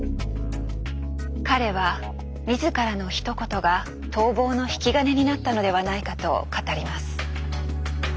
彼は自らのひと言が逃亡の引き金になったのではないかと語ります。